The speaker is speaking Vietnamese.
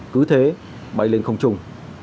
cứ thế bay lên không chung